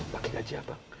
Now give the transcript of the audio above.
pakai gaji abang